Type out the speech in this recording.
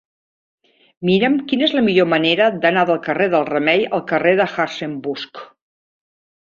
Mira'm quina és la millor manera d'anar del carrer del Remei al carrer de Hartzenbusch.